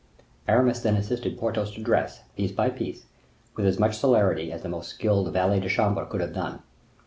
Aramis then assisted Porthos to dress, piece by piece, with as much celerity as the most skillful valet de chambre could have done.